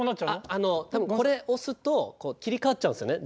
あの多分これ押すと切り替わっちゃうんですよね